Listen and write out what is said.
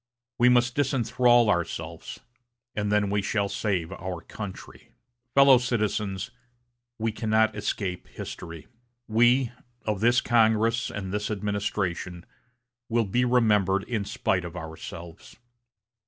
We must disenthrall ourselves, and then we shall save our country. "Fellow citizens, we cannot escape history. We, of this Congress and this administration, will be remembered in spite of ourselves.